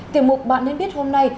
tiềm mục bạn nên biết hôm nay